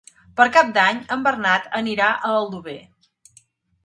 Per Cap d'Any en Bernat anirà a Aldover.